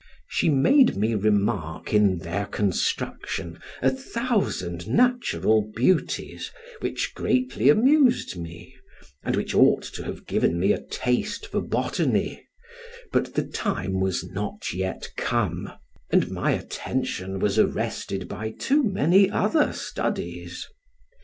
She made me remark in their construction a thousand natural beauties, which greatly amused me, and which ought to have given me a taste for botany; but the time was not yet come, and my attention was arrested by too many other studies.